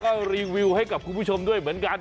ก็รีวิวให้กับคุณผู้ชมด้วยเหมือนกัน